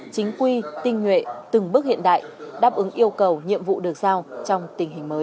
chính quy tinh nhuệ từng bước hiện đại đáp ứng yêu cầu nhiệm vụ được giao trong tình hình mới